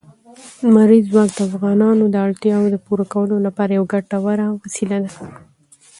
لمریز ځواک د افغانانو د اړتیاوو د پوره کولو لپاره یوه ګټوره وسیله ده.